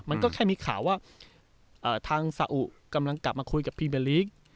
มันก็แค่มีข่าวว่าทางสาอุกำลังกลับมาคุยกับพรีเมลีก